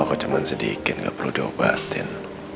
aku cuman sedikit gak perlu diobatin